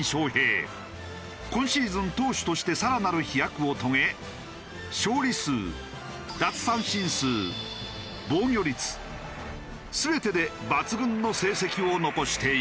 今シーズン投手として更なる飛躍を遂げ勝利数奪三振数防御率全てで抜群の成績を残している。